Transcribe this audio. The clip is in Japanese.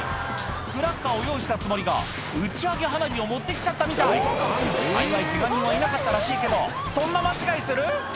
クラッカーを用意したつもりが打ち上げ花火を持って来ちゃったみたい幸いケガ人はいなかったらしいけどそんな間違いする？